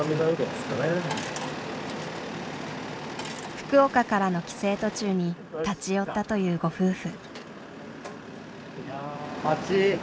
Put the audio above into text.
福岡からの帰省途中に立ち寄ったというご夫婦。